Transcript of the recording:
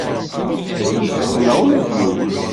Ur tteqqneɣ ula d yiwen.